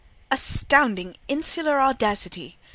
"Astounding insular audacity!"